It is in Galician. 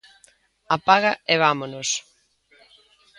Apaga e vámonos.